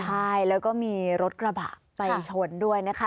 ใช่แล้วก็มีรถกระบะไปชนด้วยนะคะ